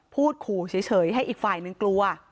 พูดขู่เฉยให้อีกฝ่ายนึงกลัว